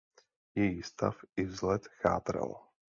Její stav i vzhled chátral.